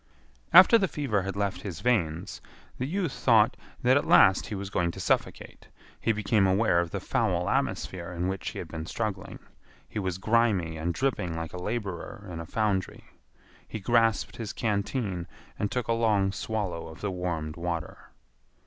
After the fever had left his veins, the youth thought that at last he was going to suffocate. He became aware of the foul atmosphere in which he had been struggling. He was grimy and dripping like a laborer in a foundry. He grasped his canteen and took a long swallow of the warmed water.